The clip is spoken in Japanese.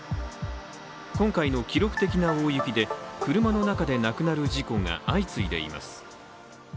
今回の記録的な大雪で車の中で亡くなる事故が相次いでいます。